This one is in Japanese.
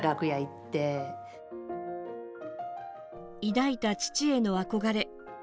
抱いた父への憧れ。